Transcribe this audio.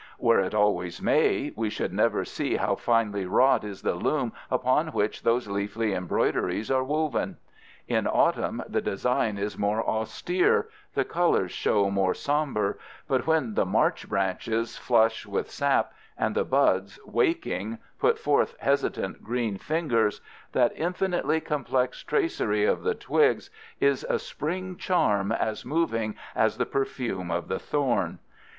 Were it always May, we should never see how finely wrought is the loom upon which those leafy embroideries are woven. In autumn the design is more austere, the colors show more somber, but when the March branches flush with sap, and the buds, waking, put forth hesitant green fingers, that infinitely complex tracery of the twigs is a spring charm as moving as the perfume of the thorn.